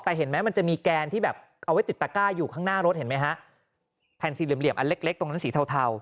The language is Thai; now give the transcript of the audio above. แต่เห็นไหมมันจะมีแกนที่แบบเอาไว้ติดตะก้าอยู่ข้างหน้ารถเห็นไหมฮะแผ่นสี่เหลี่ยมอันเล็กเล็กตรงนั้นสีเทาเทา